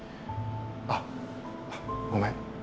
あっごめん。